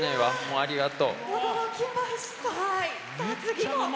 ありがと。